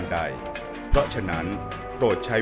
เหมือนเล็บแบบงองเหมือนเล็บตลอดเวลา